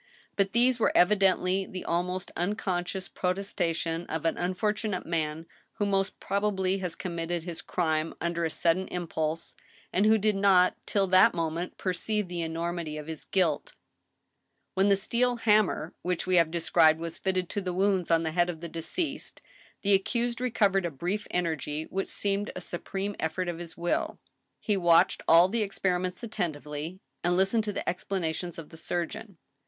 " But these were evidently the almost unconscious protestation of an unfortunate man who most probably has committed his crime under a sudden impulse, and who did not till that moment perceive the enormity of his guilt, " When the steel hammer which we have described was fitted to the wounds on the head of the deceased, the accused recovered a brief energy which seemed a supreme effort of his will. He watched 158 THE STEEL HAMMER, all the experiments attentively, and listened to the explanations of the surgeon.